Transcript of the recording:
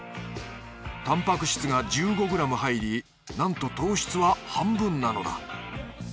たんぱく質が１５ｇ入りなんと糖質は半分なのだ。